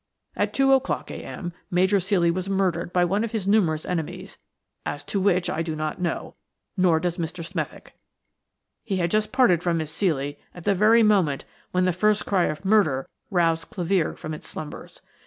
At two o'clock a.m. Major Ceely was murdered by one of his numerous enemies; as to which I do not know, nor does Mr. Smethick. He had just parted from Miss Ceely at the very moment when the first cry of 'Murder' roused Clevere from its slumbers.